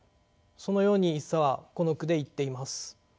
そのように一茶はこの句で言っています。